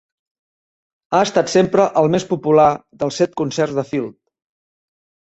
Ha estat sempre el més popular dels set concerts de Field.